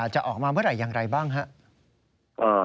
จะออกมาเมื่อไหร่อย่างไรบ้างครับ